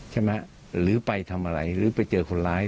หรือไปทำอะไรหรือไปเจอคนร้าย